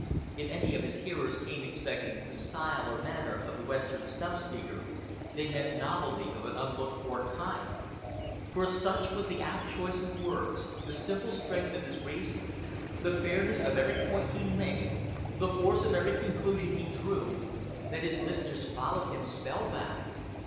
If any of his hearers came expecting the style or manner of the Western stump speaker, they met novelty of an unlooked for kind; for such was the apt choice of words, the simple strength of his reasoning, the fairness of every point he made, the force of every conclusion he drew, that his listeners followed him, spellbound.